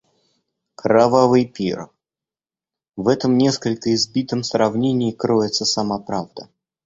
Кровавый пир — в этом несколько избитом сравнении кроется сама правда.